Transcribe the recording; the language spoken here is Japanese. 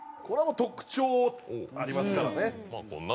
これは特徴ありますからね。